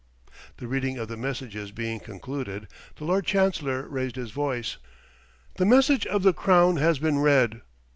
The reading of the messages being concluded, the Lord Chancellor raised his voice, "The message of the Crown has been read.